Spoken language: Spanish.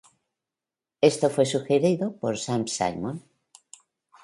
Esto fue sugerido por Sam Simon.